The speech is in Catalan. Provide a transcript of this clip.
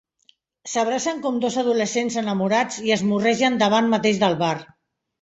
S'abracen com dos adolescents enamorats i es morregen davant mateix del bar.